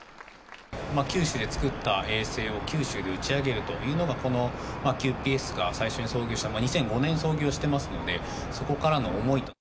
九州で作った衛星を九州で打ち上げるというのが、このＱＰＳが最初にそうぎょうした、２００５年創業してますので、そこからの思いと。